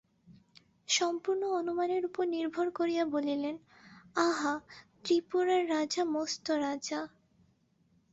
সম্পূর্ণ অনুমানের উপর নির্ভর করিয়া বলিলেন, আহা, ত্রিপুরার রাজা মস্ত রাজা।